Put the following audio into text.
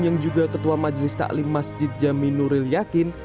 yang juga ketua majelis taklim masjid jamin nuril yakin